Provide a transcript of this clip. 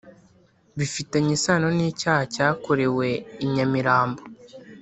bifitanye isano n’icyaha cyakorewe I nyamirambo